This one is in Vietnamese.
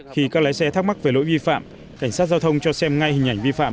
khi các lái xe thắc mắc về lỗi vi phạm cảnh sát giao thông cho xem ngay hình ảnh vi phạm